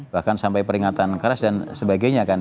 bahkan sampai peringatan keras dan sebagainya kan